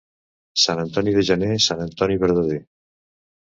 Sant Antoni de gener, Sant Antoni verdader.